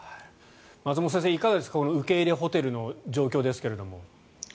松本先生、いかがですか受け入れホテルの状況ですが。